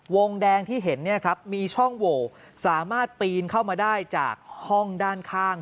วงแดงที่เห็นมีช่องโหวสามารถปีนเข้ามาได้จากห้องด้านข้าง